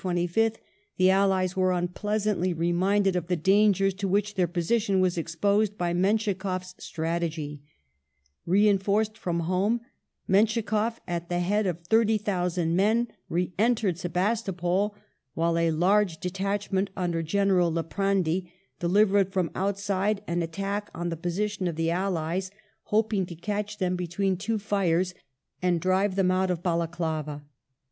26th 25th the allies were unpleasantly reminded of the dangei s to which their position was exposed by Menschikoff's strategy. Reinforced from home MenschikofF, at the head of 30,000 men, re entered Sebastopol, while a large detachment under General Liprandi delivered from outside an attack on the position of the allies, hoping ^ He died on September 29th. 1856] BATTLE OF BALACLAVA to catch them between two fires and drive them out of Balaclava.